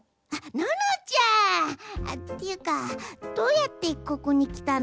ののちゃん！っていうかどうやってここに来たの？